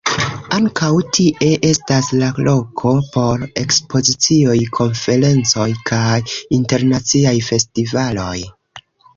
Ankaŭ tie estas la loko por ekspozicioj, konferencoj kaj internaciaj festivaloj.